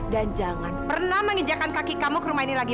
dan jangan pernah menginjakkan kaki kamu ke rumah ini lagi